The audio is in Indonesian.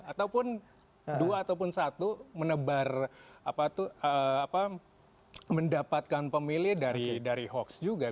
ataupun dua ataupun satu mendapatkan pemilih dari hoax juga